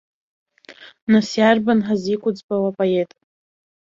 Нас иарбан ҳазиқәыӡбауа апоет?!